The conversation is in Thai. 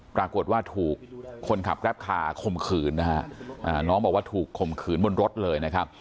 ปรากฏว่าถูกคนขับแรปคาร์ข่มขืนนะฮะน้องบอกว่าถูกข่มขืนบนรถเลยนะครับ